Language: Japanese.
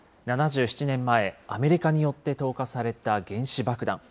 ７７年前、アメリカによって投下された原子爆弾。